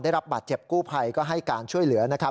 ได้รับบาดเจ็บกู้ไพรก็ให้การช่วยเหลือ